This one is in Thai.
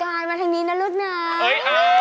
ก้ายมาทางนี้นะรุ่นน้อย